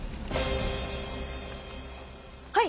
はい！